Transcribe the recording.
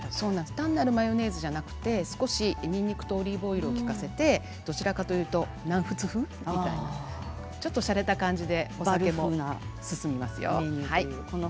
単なるマヨネーズではなくにんにくとオリーブオイルを利かせてどちらかというと南仏風おしゃれな感じでお酒も進みますよ。